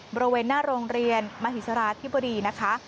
บริเวณหน้าโรงเรียนมหิศราชที่บุรีย์นะคะ